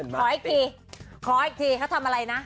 ขออีกทีขออีกทีเขาทำอะไรนะ